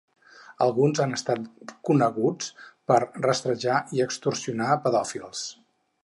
Alguns han estat coneguts per rastrejar i extorsionar pedòfils.